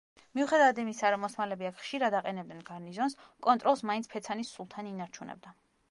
მიუხედავად იმისა, რომ ოსმალები აქ ხშირად აყენებდნენ გარნიზონს, კონტროლს მაინც ფეცანის სულთანი ინარჩუნებდა.